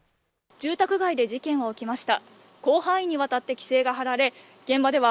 住宅街で事件が起きました。